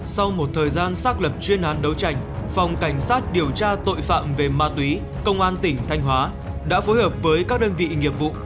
sau một thời gian xác lập chuyên án đấu tranh phòng cảnh sát điều tra tội phạm về ma túy công an tỉnh thanh hóa đã phối hợp với các đơn vị nghiệp vụ